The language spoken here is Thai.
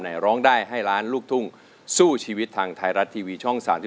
ร้องได้ให้ล้านลูกทุ่งสู้ชีวิตทางไทยรัฐทีวีช่อง๓๒